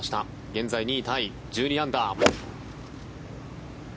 現在２位タイ、１２アンダー。